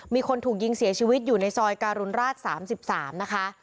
มีคนถูกยิงเสียชีวิตอยู่ในซอยการุณราช๓๓นะคะ